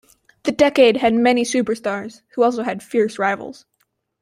The decade had many superstars, who also had fierce rivals.